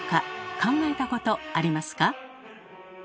考えたことありますか？